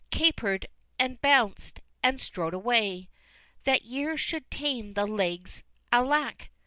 Caper'd and bounc'd and strode away! That years should tame the legs alack!